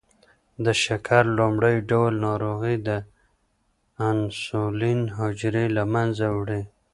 د شکر لومړی ډول ناروغي د انسولین حجرې له منځه وړي.